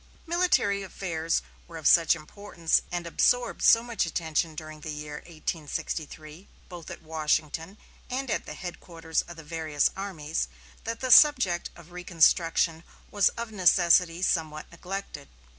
Military affairs were of such importance and absorbed so much attention during the year 1863, both at Washington and at the headquarters of the various armies, that the subject of reconstruction was of necessity somewhat neglected.